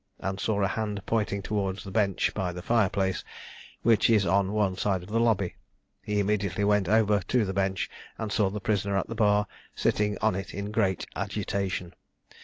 and saw a hand pointing towards the bench by the fire place, which is on one side of the lobby. He immediately went over to the bench, and saw the prisoner at the bar sitting on it in great agitation.